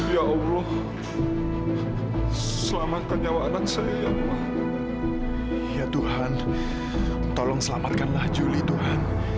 ya allah selamatkan nyawa anak saya ya tuhan tolong selamatkanlah juli tuhan